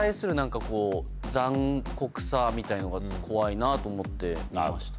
みたいのが怖いなと思って見ました。